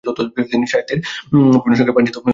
তিনি সাহিতে্যর বিভিন্ন শাখায় পান্ডিত্য অর্জন করেন।